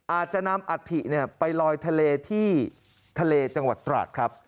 อาจจะนำอัฐิไปลอยทะเลที่ทะเลจังหวัดตราดครับ